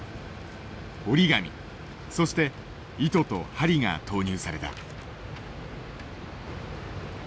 折り紙そして糸と針が投入された。